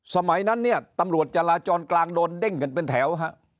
สมัยนั้นเนี่ยตำรวจจราจรกลางโดนเด้งกันเป็นแถว